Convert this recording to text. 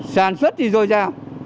sản xuất thì rồi ra